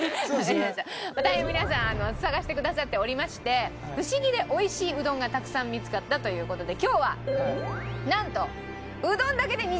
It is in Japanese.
大変皆さん探してくださっておりましてフシギで美味しいうどんがたくさん見つかったという事で今日はなんと。